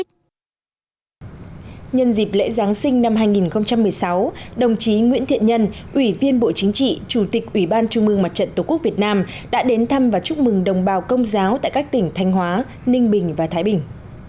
nhân dịp lễ giáng sinh năm hai nghìn một mươi sáu đồng chí nguyễn thiện nhân ủy viên bộ chính trị chủ tịch ủy ban trung mương mặt trận tổ quốc việt nam đã đến thăm và chúc mừng đồng bào công giáo tại các tỉnh thanh hóa ninh bình và thái bình